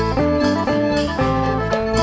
โชว์ฮีตะโครน